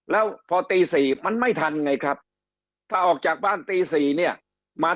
แล้วพอตี๔มันไม่ทันไงครับถ้าออกจากบ้านตี๔เนี่ยมา